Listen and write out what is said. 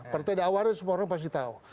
partai da'wah itu semua orang pasti tahu